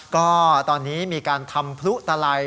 ก็ตอนนี้มีการทำพลุตลัย